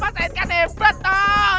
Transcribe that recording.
mas sahid kan hebat toh